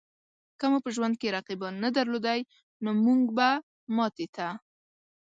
که مو په ژوند کې رقیبان نه درلودای؛ نو مونږ به ماتې ته